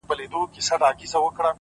چي له بې ميني ژونده،